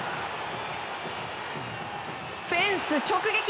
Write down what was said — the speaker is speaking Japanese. フェンス直撃！